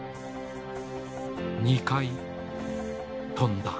２回飛んだ。